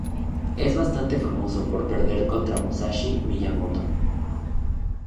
Es bastante famoso por perder contra Musashi Miyamoto.